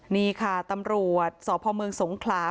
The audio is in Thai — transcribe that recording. นี่ค่ะตำรวจสพสงขลาค่ะ